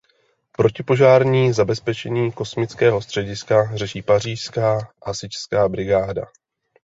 Protipožární zabezpečení kosmického střediska řeší Pařížská hasičská brigáda.